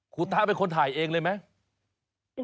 ตะเป็นคนถ่ายเองเลยไหม